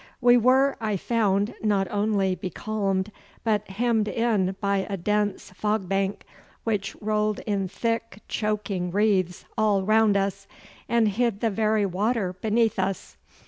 We were, I found, not only becalmed, but hemmed in by a dense fog bank which rolled in thick, choking wreaths all round us, and hid the very water beneath us.